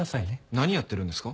何やってるんですか？